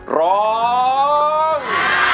ร้อง